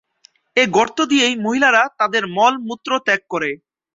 এই গর্ত দিয়েই মহিলারা তাদের মল-মূত্র ত্যাগ করে।